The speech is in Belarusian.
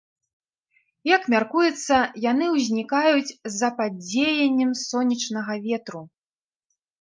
Як мяркуецца, яны ўзнікаюць з-за пад дзеяннем сонечнага ветру.